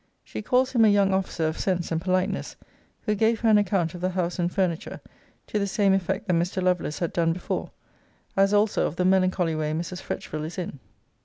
She calls him a young officer of sense and politeness, who gave her an account of the house and furniture, to the same effect that Mr. Lovelace had done before;* as also of the melancholy way Mrs. Fretchville is in.